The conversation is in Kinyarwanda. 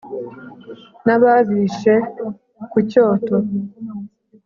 n'ababishe ku cyoto,